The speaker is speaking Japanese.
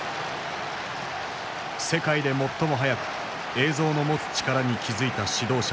世界で最も早く映像の持つ力に気付いた指導者だった。